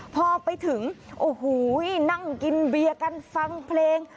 พอไปถึงโอ้โหนั่งกินเบียร์กันฟังเพลง